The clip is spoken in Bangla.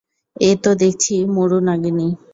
এ তো দেখছি মরু নাগিনী।